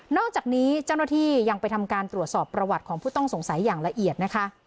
อกจากนี้เจ้าหน้าที่ยังไปทำการตรวจสอบประวัติของผู้ต้องสงสัยอย่างละเอียดนะคะ